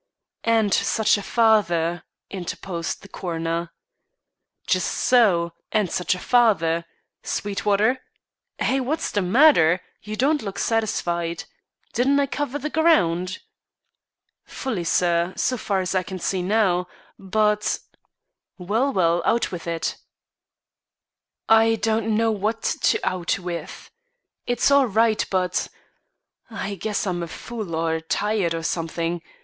"And such a father," interposed the coroner. "Just so and such a father. Sweetwater? Hey! what's the matter? You don't look satisfied. Didn't I cover the ground?" "Fully, sir, so far as I see now, but " "Well, well out with it." "I don't know what to out with. It's all right but I guess I'm a fool, or tired, or something.